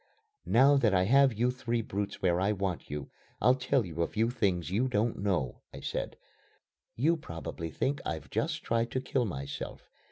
"Now that I have you three brutes where I want you, I'll tell you a few things you don't know," I said. "You probably think I've just tried to kill myself.